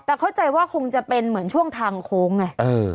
แต่เข้าใจว่าคงจะเป็นเหมือนช่วงทางโค้งไง